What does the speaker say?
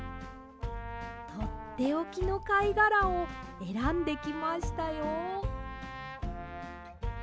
とっておきのかいがらをえらんできましたよ。